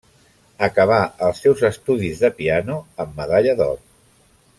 Acabà els seus estudis de piano amb medalla d'or.